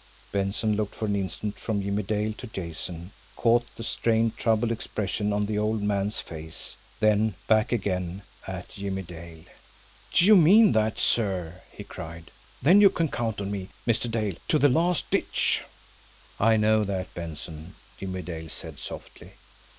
Benson looked for an instant from Jimmie Dale to Jason, caught the strained, troubled expression on the old man's face, then back again at Jimmie Dale. "D'ye mean that, sir!" he cried. "Then you can count on me, Mr. Dale, to the last ditch!" "I know that, Benson," Jimmie Dale said softly.